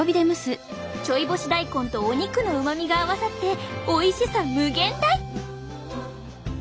ちょい干し大根とお肉のうまみが合わさっておいしさ無限大！